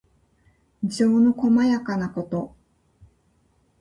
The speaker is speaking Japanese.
情のこまやかなこと。